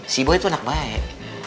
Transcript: si bo itu anak baik